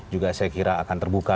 juga saya kira akan terbuka